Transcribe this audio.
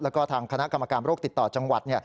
แล้วก็ทางคณะกรรมการโรคติดต่อจังหวัด